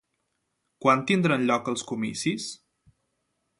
Quan tindran lloc els comicis?